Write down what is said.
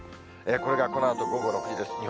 これがこのあと午後６時です。